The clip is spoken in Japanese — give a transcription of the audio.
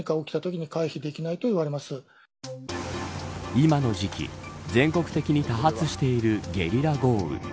今の時期全国的に多発しているゲリラ豪雨。